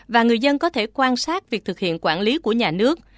và người dân có thể quan sát việc thực hiện quản lý của nhà nước